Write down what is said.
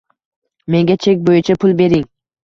Menga chek bo’yicha pul bering!